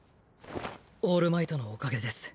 オールマイトのおかげです。